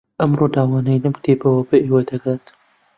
ئەم ڕووداوانەی لەم کتێبەوە بە ئێوە دەگات